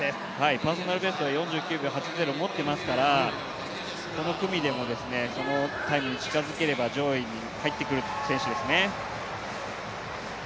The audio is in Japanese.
パーソナルベストは４９秒８０を持ってますからこの組でも、そのタイムに近づければ上位に入ってくる選手ですね。